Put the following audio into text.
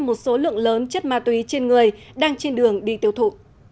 một số lượng lớn chất ma túy trên người đang trên đường đi tiêu thụ